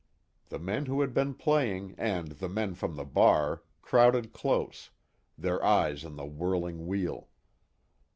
The men who had been playing, and the men from the bar, crowded close, their eyes on the whirling wheel.